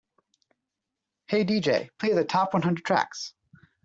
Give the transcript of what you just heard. "Hey DJ, play the top one hundred tracks"